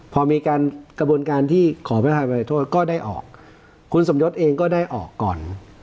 พอมีการกระบวนการที่ขอพระธรรมรายโทษก็ได้ออกคุณสมยศเองก็ได้ออกก่อน